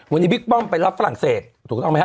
วันนี้บิ๊กป้อมไปรับฝรั่งเศสถูกต้องไหมฮ